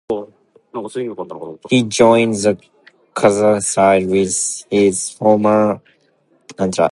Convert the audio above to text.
He joined the Kazakh side with his former teammate Andrey Tikhonov.